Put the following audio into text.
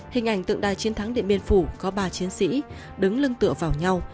hình ảnh tượng đài chiến thắng điện biên phủ có ba chiến sĩ đứng lưng tựa vào nhau